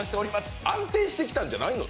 それは安定してきたんじゃないの？